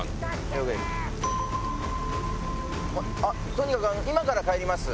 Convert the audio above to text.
とにかく今から帰ります。